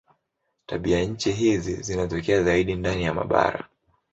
Tabianchi hizi zinatokea zaidi ndani ya mabara.